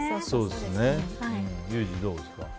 ユージ、どうですか？